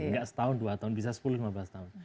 nggak setahun dua tahun bisa sepuluh lima belas tahun